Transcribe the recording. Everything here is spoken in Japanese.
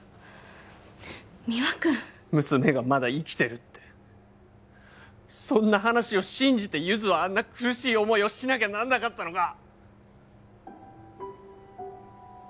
三輪君娘がまだ生きてるってそんな話を信じてゆづはあんな苦しい思いをしなきゃなんなかったのか？